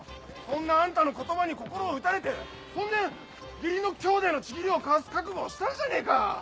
そんなあんたの言葉に心を打たれてそんで義理の兄弟の契りを交わす覚悟をしたんじゃねえか。